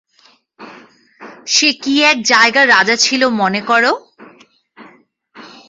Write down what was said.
সে কি এক জায়গার রাজা ছিল মনে কর?